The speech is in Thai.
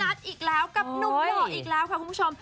มีนัสอีกแล้วกับหนูหล่ออีกแล้วครับคุณผู้ชม